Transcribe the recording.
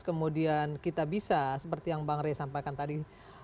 kemudian kita bisa seperti yang bang rey sampaikan tadi